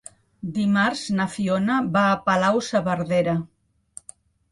Dimarts na Fiona va a Palau-saverdera.